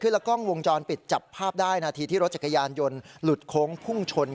แล้วกล้องวงจรปิดจับภาพได้นาทีที่รถจักรยานยนต์หลุดโค้งพุ่งชน